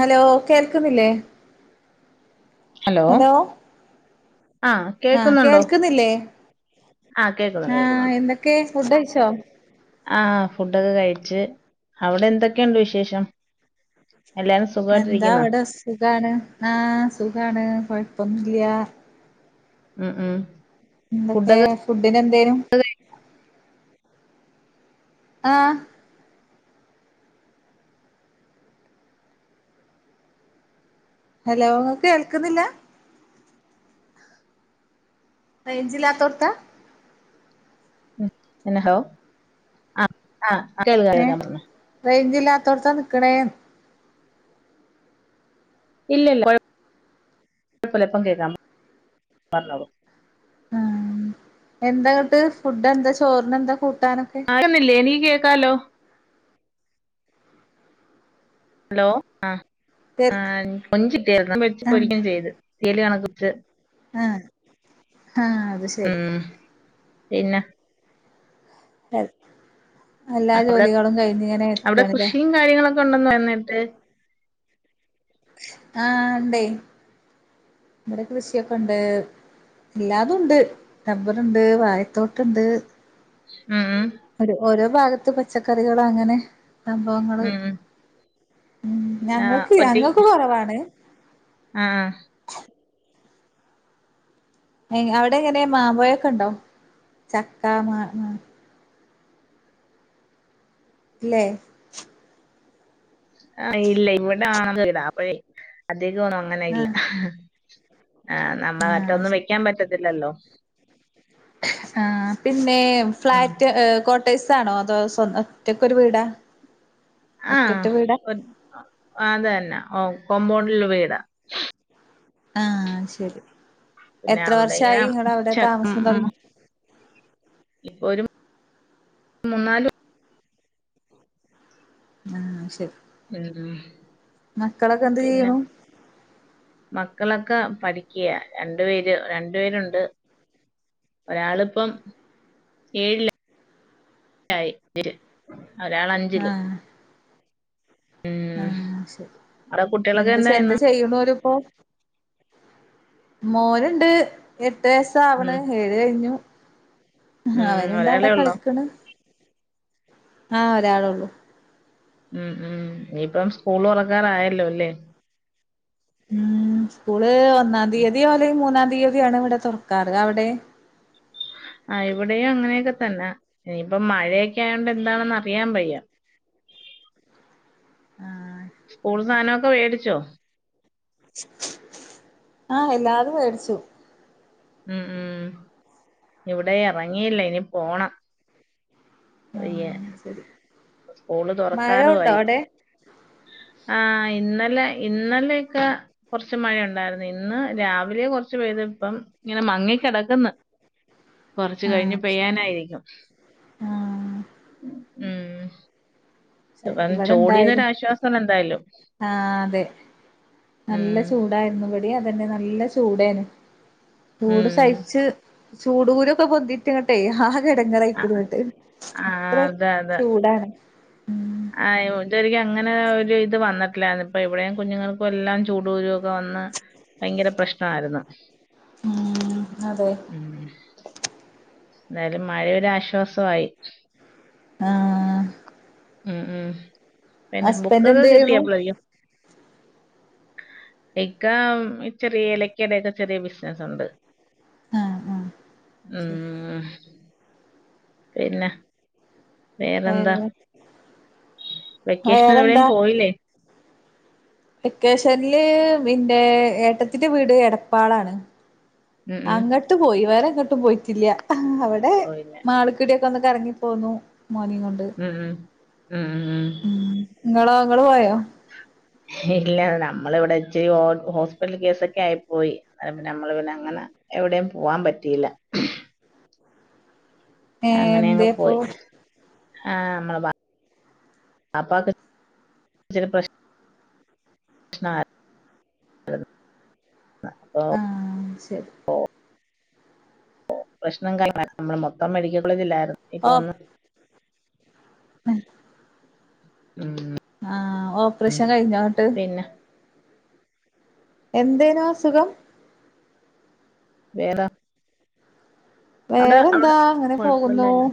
Hello കേൾക്കുന്നില്ലേ? Hello ആഹ് ആഹ കേക്കുന്നുണ്ടോ കേൾക്കുന്നില്ലേ ആഹ് കേക്കുന്നുണ്ട് ആഹ എന്തൊക്കെ ഫുഡ്‌ കഴിച്ചോ ആ ഫുഡൊക്കെ കഴിച്ച് അവിടെ എന്തൊക്കെയുണ്ട് വിശേഷം? എല്ലാരും എന്താ സുഖമായിട്ടിരിക്കുന്നോ അവിടെ സുഖാണ് ആഹ സുഖാണ് കൊഴപ്പന്നില്ല ആഹ ആഹ് ഏഹ് ഫുഡിന് എന്തെനിം ആഹ ഹലോ കേൾക്കുന്നില്ല? റേഞ്ചില്ലാത്തോട്ത്താ? എന്നെ ഹലോ ആഹ്ആഹ് കേൾ ഏഹ് കേൾക്കാം പറഞ്ഞേ റേഞ്ചില്ലാത്തോട്ത്താ നിക്കണേന്. ഇല്ലല്ലകൊഴപ്പല്ലിപ്പം കേൾക്കാം പറഞ്ഞോളൂ ആഹ എന്താന്ട്ട് ഫുഡ് എന്താ ചോറിന്എന്താ കൂട്ടാനൊക്കെ? കേക്കുന്നില്ലേ നീകേക്കാലോ. ഹലോ ആഹ് പേർക്ക് ആഹ് കൊഞ്ചികിട്ടേര്ന്നു. മേടിച്ച് ആഹ് പൊരിക്കേം ചെയ്ത്. തീയലണകുച്. ആഹ് ആഹ് അത് ശരി. ഉം പിന്നെ. എല്ലാ ആ, അവിടെ ജോലികളും കഴിഞ്ഞ്ങ്ങനെ ഇരിക്കാണ്ല്ലേ. കൊണ്ടന്ന് വന്നിട്ട്. ആഹ്, ഇണ്ടേയ്, ഇവിടെ കൃഷൊക്കെണ്ട്. എല്ലാതുംണ്ട്, റബ്ബറ്ണ്ട് വായത്തോട്ട്ണ്ട്. ഉം ഉം ഒരു ഓരോ ഭാഗത്ത് പച്ചക്കറികള് അങ്ങനെ സംഭവങ്ങള്. ഉം ഉം ഉം, ആഹ് ഞങ്ങൾക്ക് ഒറ്റ ഞങ്ങൾക്ക് കൊറവാണ്. ആഹ്. അവിടെങ്ങനെ മാമ്പയൊക്കെണ്ടോ? ചക്ക, മാങ്ങ. ല്ലേ? ആഹ ഇല്ലെയ്. ഇവിടെ ആണ അപ്പഴേഅദ്ദേഹൊന്നും അങ്ങനെയില്ല. ആഹ് ആഹ് നമ്മ ആഹ് മറ്റൊന്നും ശരി വെക്കാൻ പറ്റത്തില്ലല്ലോ. ആഹ പിന്നെ ഫ്ലാറ്റ് ക്വോട്ടേഴ്സ് ആണോ അതോ സ്വ ഒറ്റക്കൊരൂവീടാ? ആഹ്, ഓ അതന്നെ ഓ കോമ്പൗണ്ടിലെ വീടാ ആഹ് ശെരി പിന്നെ എത്ര അവിടെ ഇങ്ങനെ വർഷായി ഇങ്ങടവിടെ ചക്ക താമസം തൊട്ങ്ങീട്ട്? ഇപ്പൊരു മൂന്നാല്. ശെരി. ഉം മക്കളൊക്കെ എന്ത് പിന്നെ ചെയ്യ്ണു? മക്കളൊക്കെ പഠിക്ക്യാ രണ്ടു പേര് രണ്ടു പേരുണ്ട്. ഒരാളിപ്പം ഏഴിലാ യി ര് ഒരാളഞ്ചിലും ഉം ശെരി അവിടെ കുട്ടികളൊക്കെ എന്താച ന്താ എന്തായിന്ന് ചെയ്യ്ണോരിപ്പൊ. മോന്ണ്ട് എട്ട്യസ് ട്ടാ വ്ണ് ഉം ഏഴ്കഴിഞ്ഞ്. ഉം അവന്ണ്ട ഒരാളെ വിടെ ഉള്ളോ കളിക്ക്ണ്. ആഹ് ഒരാളൊള്ളൂ. ഉം ഉം ഇനീപ്പം സ്കൂള് തുറക്കാറായല്ലോ ലേ? ഉം സ്കൂള് ഒന്നാം തീയതോഅല്ലേൽ മൂന്നാം തീയതിയോആണ് ഇവിടെ തുറക്കാറ്. അവിടെ? ആഹ്, ഇവിടെയും അങ്ങനെയൊക്കെ തന്നെ ഇനിയിപ്പ മഴയൊക്കെ ആയോണ്ട് എന്താണെന്ന് അറിയാൻ വയ്യ. ആഹ് സ്കൂൾ സാനൊക്കെ വേടിച്ചോ? ആഹ് എല്ലാതും വേടിച്ചു. ഉം ഉം എവിടെം എറങ്ങിയില്ല ഇനി പോണം. വയ്യ. ആഹ് ശരി സ്കൂള് മഴ തുറക്കാറു ഉണ്ടോ ആയി. അവിടെ ആഹ് ഇന്നലെ ഇന്നലൊക്കെ. കൊർച്ച് മഴ ഉണ്ടായിരുന്നു ഇന്ന് രാവിലെ കൊർച്ച് പെയ്ത് ഇപ്പം. ഇങ്ങനെ മങ്ങി കിടക്ക് ന്ന് കൊർച്ച് കഴിഞ് ആഹ് ശരി പെയ്യാനായിരിക്കും ആഹ് ഉം. ശരി അപ്പം ഇവടെ എന്തായാലും ചൂടീന്നൊരാശ്വാസം എന്തായാലും ആ അതേ നല്ല ഉം ചൂ ചൂടായിരുന്നു ഇവടി അതന്നെ നല്ല ചൂടേന് ചൂട് ഉം സഹിച്ച് ചൂടൂകുരൊക്കെ പൊന്തി റ്റ്ങ്ങട്ടെ ആകെ ആ എടങ്ങറയിക്കുന്ന്ങ്ങട്ട് ആ, അത്ര അതെ അതെ ചൂടാണ്. ഉം ആഹ് ഓ ശരിക്കും അങ്ങനെ ഒരു ഇത് വന്നിട്ടില്ലായിരുന്ന് ഇപ്പ ഇവിടെയും കുഞ്ഞുങ്ങൾക്കും എല്ലാം ചൂട് കുരു വന്ന് ഭയങ്കര പ്രശ്നമായിരുന്നു ഉം അതെ ഉം എന്തായാലും മഴരാശ്വാസമായി. ആഹ് ഉം ഉം പിന്നെ ഹസ്ബൻഡ് ബുക്കൊക്കെ എന്ത് കിട്ടിയാ ചെയ്യ്ണു അപ്പളേക്കും ഇക്ക ചെറിയ ഏലക്കയുടൊക്കെ ചെറിയ ബിസിനസുണ്ട്. ആഹ് ആഹ് ശരി ഉം പിന്നെ വേറെന്താ വേറെ വെക്കേഷൻ എവിടെേയും വേറെന്താ പോയില്ലേ വെക്കേഷനില് പിന്നെ ഏട്ടത്തിന്റെ വീട് എടപ്പാളാണ് ഉം ഉം അങ്ങട്ട് പോയി വേറെങ്ങട്ടും പോയിട്ടില്ല അവടെ ഓ പിന്നെ മാള്ക്കൂടിയൊക്കെ ഒന്ന് കറങ്ങിപ്പോന്നു മോനിം കൊണ്ട്. ഉം ഉം ഉം ഉം ഇങ്ങളോ ഇങ്ങള് പോയോ ഇല്ല നമ്മളിവിടെ ഇച്ചിരി ഹോ ഹോസ്പിറ്റൽ കേസൊക്കെ ആയിപ്പോയി നമ്മള് പിന്നെ അങ്ങനെ എവിടെയും പോവാൻ പറ്റിയില്ല. ഏഹ് അങ്ങനെ എന്തേ അങ്ങ് അപ്പൊ പോയി. ആഹ് നമ്മളെ വാപ്പാക്ക് ചെറിയ പ്രശ്നം പ്രശ്നയിന്നു [inaudible] അപ്പൊ ആഹ് ശരി ഓ ഓ പ്രശ്നങ്ങളിലാണ് നമ്മൾ മൊത്തം മെഡിക്കൽ കോളേജില്ലായിരുന്നു ഇപ്പൊ വന്ന് ആഹ് ഉം ആഹ് ഓപ്പറേഷൻ കഴിഞ്ഞോന്ന്ട്ട് പിന്നെ എന്തേനു അസുഖം വേറെ അവിടെ അവിടെ വേറെന്താ അങ്ങനെ പോകുന്നു. കുഴപ്പമില്ലായിരുന്നു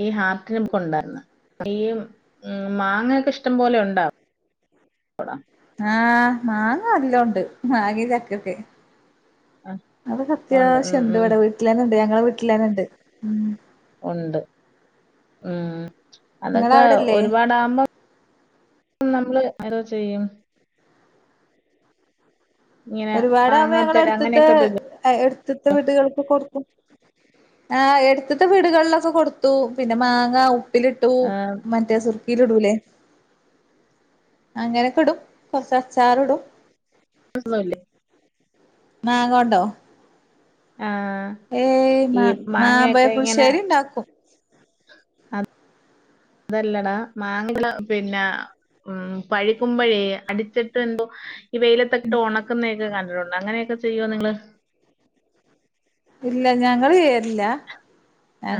ഈഹ് ഹാർട്ടിടിപ്പ് ഉണ്ടായിരുന്ന് ഈഹ് ഉം മാങ്ങൊക്കെ ഇഷ്ടം പോലെ ഉണ്ടാ പൊട ആഹ് മാങ്ങ എല്ലോണ്ട് മാങ്ങി ചക്കൊക്കെ. ആ, അതൊക്കെ ഉണ്ട് ഉം, അത്യാവശ്യണ്ട് ഉം, ഇവടെ വീട്ടിലെന്നണ്ട് ഉണ്ട് ഉം നിങ്ങളെ അതൊക്കെ അവിടെല്ലേ ഒരുപാടാകുമ്പോ നമ്മള് ഏതോ ചെയ്യും ഇങ്ങനെ ഒരുപാട് ആകുമ്പോ മാങ്ങ ഞങ്ങൽ തരാം അങ്ങനെയൊക്കെ ഒരു ഇത്. അടുത്ത വീടുകൾക്ക് കൊട്ക്കും. ആഹ് എടുത്തത്തെ വീടുകളിലൊക്കെ കൊടുത്തു പിന്നെ മാങ്ങ ഉപ്പിലിട്ടു ആ, മ മറ്റേ സുർക്കിൽ ഇടൂല്ലേ അങ്ങനെയൊക്കെ ഇടും കൊറച്ച് അച്ചാർ ഇടും. [inaudible] മാങ്ങോണ്ടോ ആ, ഏയ് ഈ മാങ്ങയൊക്കെ ഇങ്ങനെ മാമ്പയപുൾശേരിണ്ടാക്കും. അതല്ലടാ മാങ്ങ പിന്നെ ഉം പഴിക്കുമ്പോഴേ അടിച്ചിട്ട് എന്തോ ഈഹ് വെയിലത്തക്കിട്ട് ഉണക്കുന്നതക്കെ കണ്ടിട്ടുണ്ട് അങ്ങനെയൊക്കെ ചെയ്യോ നിങ്ങള് ഇല്ല ഞങ്ങൾ ചെയ്യാരില്ല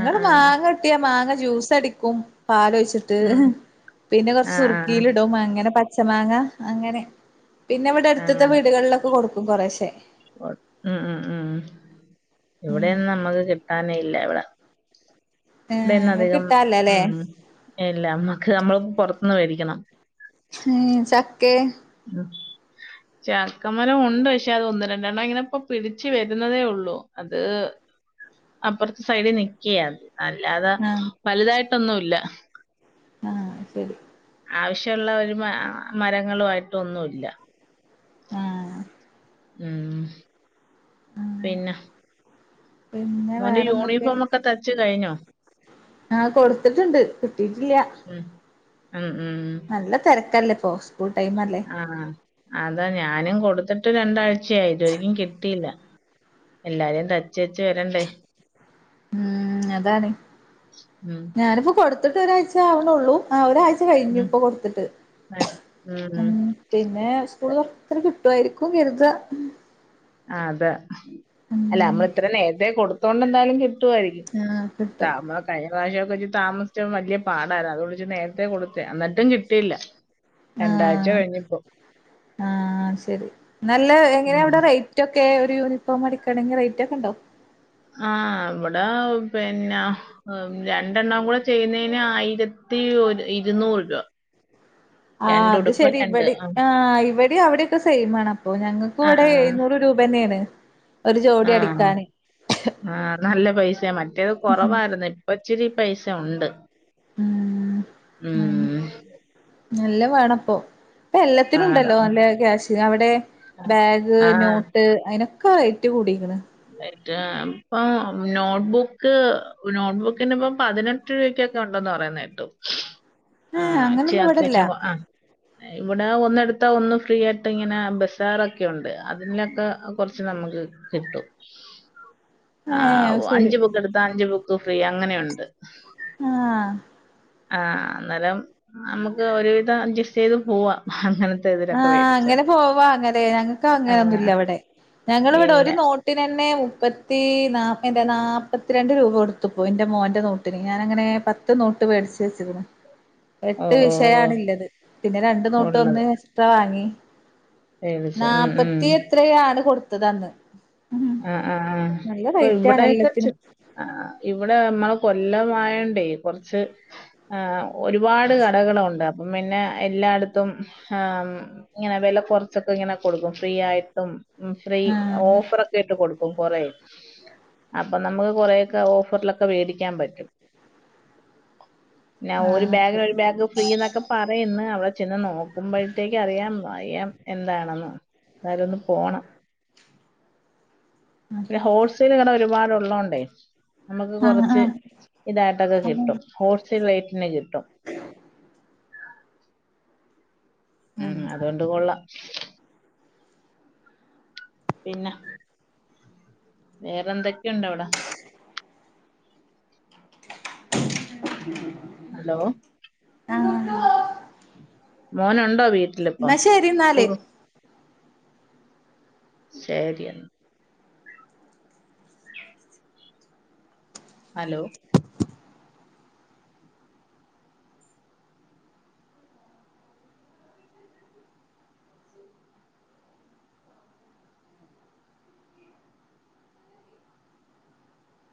ആഹ് ആഹ് മാങ്ങ കിട്ടിയ മാങ്ങ ജ്യൂസ് അടിക്കും പാലൊഴിച്ചി ഉം പിന്നെ കൊർച്ച് ആഹ് ആഹ് സുർക്കില്ടും. അങ്ങനെ പച്ച മാങ്ങ അങ്ങനെ. പിന്നെ ഇവിടെ എട്ത്തത്തെ അങ്ങനെ വീടുകള്ലൊക്കെ കൊടുക്കും കൊറേശേ ഉം ഇവിടെയൊന്നും നമ്മക്ക് കിട്ടാനില്ല ഇവിടെ. ഏഹ് ഇതെന്നെ ഇങ്ങക്ക് അധികം കിട്ടാല്ലല്ലേ ഉം എല്ലാം നമ്മക്ക് നമ്മള് പൊറത്ത്ന്ന് വേടിക്കണം ഉം ചക്കെ ആഹ് ചക്കമരം ഉണ്ട് പക്ഷെ അത് ഒന്ന് രണ്ടെണ്ണം ഇങ്ങനെ ഇപ്പ പിടിച്ചു വരുന്നതേ ഉള്ളൂ അത് അപ്പറത്തെ സൈഡി നിക്ക്യാത് അല്ലാത ആഹ് വലുതായിട്ടൊന്നുല്ല. ആഹ് ശരി ആവശ്യള്ള ഒരു മരങ്ങൽ ആയിട്ടൊന്നുല്ല ആഹ് ഉം പിന്നെ പിന്നെ മോന്റെ വേറെന്തൊക്കെ യൂണിഫോം ഒക്കെ തച്ച് കഴിഞ്ഞോ? ആഹ് കൊട്ത്തിട്ടുണ്ട് കിട്ടീട്ടില്ല ഉം ഉം ഉം ഉ നല്ല തെരക്കല്ലെ ഇപ്പോ സ്കൂൾ ടൈംമല്ലേ. ആഹ് അതാ ഞാനും കൊടുത്തിട്ട് രണ്ടാഴ്ചയായി ഇത് വരെക്കും കിട്ടിയില്ല എല്ലാരെയും ത ചേച്ച വരൻ ഉം അതാണ് ഉം ഞാനിപ്പോ കൊടു ത്തിട്ട് ഒരാഴ്ച ആവ്ണൊള്ളൂ ആ ഒരാഴ്ച കഴിഞ്ഞു ഉം ഇപ്പൊ കൊടുത്തിട്ട് ഉം പിന്നെ സ്കൂള് തുറന്നിട്ട് കിട്ടു ആയിരിക്കും കര്താ. ആഹ് അതെ ഉം അല്ല നമ്മള് ഇത്ര നേരത്തെ കൊടുത്തോണ്ട് എന്തായാലും കിട്ടുായിരിക്കും ആഹ് കിട്ടും കഴഞ്ഞറാശ്യക്കെ ഇഞ്ജ് താമസിച്ചും വല്ല്യ പാടാണ് അതൊയിച്ച് നേരത്തെ കൊടു എന്നട്ടും കിട്ടിയില്ല രണ്ടാഴ്ച ആഹ് കഴിഞ്ഞ്പ്പോ ആഹ് ശരി. നല്ല എങ്ങനെയാ ഉം. അവിടെ റൈറ്റൊക്കെ ഒരു യൂനിഫോമടിക്കണെങ്കി റൈറ്റൊക്കെണ്ടാവും. ആഹ് ഇവ്ടെ പിന്നെ രണ്ടെണ്ണം കൂടെ ചെയ്യുന്നേന് ആയിരത്തി ഒരു ഇരുന്നൂറ് രൂപ. ആ അത് രണ്ടുടുപ്പും ശരി രണ്ട് ഇവെടിം ആഹ് ഇവെടിം അവിടിയൊക്കെ സെയി ആണ് അപ്പൊ ഞങ്ങക്ക് ഇവിടെ ആഹ് എഴുന്നൂറ് രൂപന്നേണ്. ആഹ് ആഹ് നല്ല പൈസെ മറ്റേത് കൊറവായിര്ന്ന്. ഇപ്പച്ചിരി പൈസ ഉണ്ട് ഉം ഉം നല്ല വാണപ്പൊ ഇപ്പ എല്ലത്തിനും പാടാ ഉണ്ടല്ലോ നല്ല ക്യാഷ്. അവിടെ ബാഗ് ആഹ് നോട്ട് അയിനൊ ക്കെ റേറ്റ് കൂടിക്ക്ണ്. റേറ്റാ ഇപ്പം നോട്ട്ബുക്ക് നോട്ട്ബുക്കിന്പ്പം പതിനെ ട്ട് രൂപക്കോക്കെ ഉണ്ടന്ന് പറയുന്ന കേട്ടു. ഏഹ് ആഹ് ച്ചേ അങ്ങനൊന്നും ഇവിടില്ല അത്യാവ്ശ്യം ആഹ് ഇവിടെ ഒന്നെടുത്താ ഒന്ന് ഫ്രീ ആയിട്ട് ഇങ്ങനെ ബസ്സാറൊക്കെ ഉണ്ട് അതിലൊക്കെ കുറച്ച് നമുക്ക് കിട്ടും ഏഹ് ആഹ് ശരി അഞ്ച് ബുക്കടുത്താ അഞ്ച്ബു ക്ക്‌ ഫ്രീ അങ്ങനെയുണ്ട് ആഹ് ആഹ് അന്നേരം നമുക്ക് ഒരുവിധം അഡ്ജസ്റ്റ് ചെയ്ത് പോവാ അങ്ങനെ ആഹ് അങ്ങനെ പോവാ അങ്ങലെ ഞങ്ങക്ക് ആ അങ്ങനെ ഒന്നുല്ല ഇവിടെ ഞങ്ങള് ഇവടെ ഇല്ല ഒരു നോ ട്ടിനന്നെ മുപ്പത്തി നാ എന്റെ നാൽപ്പത്തിരണ്ട് രൂപ കൊടുത്തപ്പോ എൻ്റെ മോൻ്റെ നോട്ടിന് ഞാനങ്ങനെ പ ത്ത് നോട്ട് വേടിച്ച് വെച്ചിരുന്നു ഓ എട്ട് ഓ, ഓ, വിഷയാണ്ല്ലത് പിന്നെ രണ്ട് നോട്ട് ഉള്ളത് ഒന്നിന് എസ്ട്രാ വാങ്ങി. മേടിച്ചു ഉം ഉം നാപ്പത്തി എത്രയാ ആണ് കൊടുത്തതന്ന് ആഹ് ആഹ് ഇപ്പ ഇവിടെക്കചി എല്ലത്തിനും ആഹ് ഇവിടെ നമ്മളെ കൊല്ലം മയണ്ടേ കൊർച്ച് ആഹ് ഒരുപാട് കടകളുണ്ട് അപ്പം പിന്നെ എല്ലാടത്തും ആഹ് ഇങ്ങനെ വില കുറച്ചൊക്കെ ഇങ്ങനെ കൊടുക്കും ഫ്രീ ആയിട്ടും ഫ്രീ ആഹ് ഓഫറൊക്കെ. ട്ട് കൊടുക്കും കൊറേ അപ്പൊ നമുക്ക് കൊറെ ഒക്കെ ഓഫറിലൊക്കെ മേടിക്കാൻ പറ്റും. നൗ ഒരു ആഹ് ബാഗിന് ശരി ഒരു ബാഗ് ഫ്രീ എന്നൊക്കെ. പറയ്ന്ന് അവിടെ ചെന്ന് നോക്കുമ്പോഴത്തേക്ക് അറിയാം അറിയാം എന്താണെന്ന്. ന്തായാലും ഒന് പോണം. പിന്നെ ഹോൾസെയിൽ കട ഒരുപാടുള്ളോണ്ടേ നമ്മുക്ക് ആഹ് കുറച്ച്. ആഹ് ഇതായിട്ടൊക്കെ ആഹ് കിട്ടും ഹോൾ സെയിൽ റേറ്റിന് കിട്ടും. മ് അതുകൊണ്ട് കൊള്ളാം. പിന്നെ വേറെന്തൊക്കെയുണ്ട അവിടെ? ഹലോ. ആഹ മോനുണ്ടോ വീട്ടിലിപ്പം? കുറു എന്നാല് ശെരിയെന്ന ഹലോ.